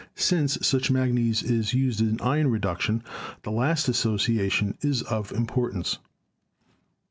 Since much manganese is used in iron reduction, the last association is of impor tance.